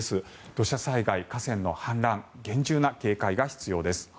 土砂災害、河川の氾濫厳重な警戒が必要です。